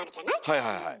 はいはいはい。